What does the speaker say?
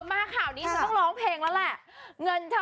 มาข่าวนี้ฉันต้องร้องเพลงแล้วแหละ